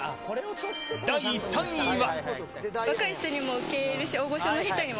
第３位は。